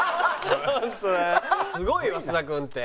すごいよ菅田君って。